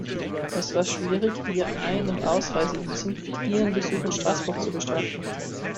Es war schwierig, Ihr Einund Ausreisevisum für Ihren Besuch in Straßburg zu beschaffen.